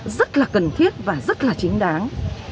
rất là cần thiết và rất là chính đáng